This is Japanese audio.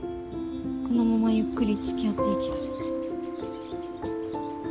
このままゆっくりつきあっていきたい。